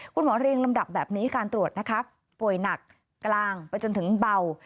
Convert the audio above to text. เรียงลำดับแบบนี้การตรวจนะคะป่วยหนักกลางไปจนถึงเบา